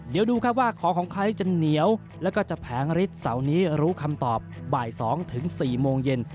เดี๋ยวดูครับว่าของของใครจะเหนียวแล้วก็จะแผงฤทธิเสาร์นี้รู้คำตอบบ่าย๒ถึง๔โมงเย็น